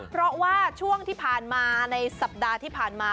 เพราะว่าช่วงที่ผ่านมาในสัปดาห์ที่ผ่านมา